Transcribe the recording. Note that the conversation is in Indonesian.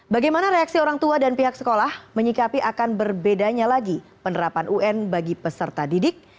bagaimana reaksi orang tua dan pihak sekolah menyikapi akan berbedanya lagi penerapan un bagi peserta didik